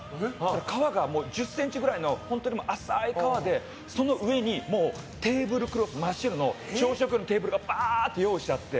川が１０ｃｍくらいの本当に浅い川でその上にテーブルクロス真っ白の朝食用のテーブルがバーっと用意してあって。